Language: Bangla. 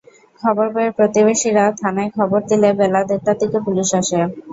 খবর পেয়ে প্রতিবেশীরা থানায় খবর দিলে বেলা দেড়টার দিকে পুলিশ আসে।